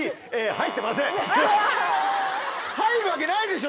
入るわけないでしょ